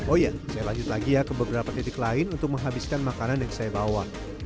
oh ya saya lanjut lagi ya ke beberapa titik lain untuk menghabiskan makanan yang saya bawa